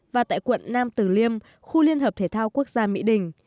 và tại quận nam tử liêm khu liên hợp thể thao quốc gia mỹ đình